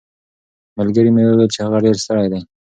ملګري مې وویل چې هغه ډېر ستړی دی.